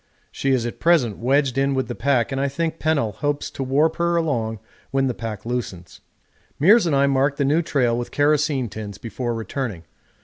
She is at present wedged in with the pack, and I think Pennell hopes to warp her along when the pack loosens. Meares and I marked the new trail with kerosene tins before returning.